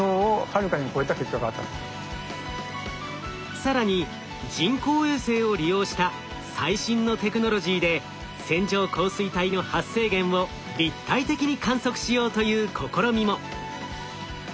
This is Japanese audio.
更に人工衛星を利用した最新のテクノロジーで線状降水帯の発生源を立体的に観測しようという試みも。